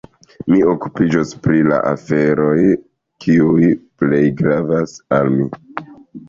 Mi okupiĝos pri la aferoj, kiuj plej gravas al mi.